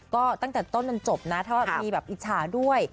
ก็ตั้งแต่ต้นจนจบนะถ้ามีแบบอิจฉาด้วย